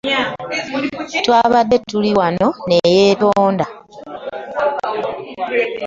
Twabadde tuli awo ne yeetonda.